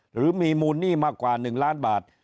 หรือมีมูลหนี้มากกว่า๑ล้านบาท